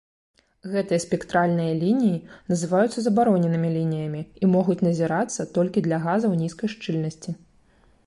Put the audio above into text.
Гэтыя спектральныя лініі называюцца забароненымі лініямі і могуць назірацца толькі для газаў нізкай шчыльнасці.